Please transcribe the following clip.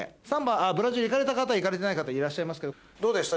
ブラジル行かれた方行かれてない方いらっしゃいますけどどうでした？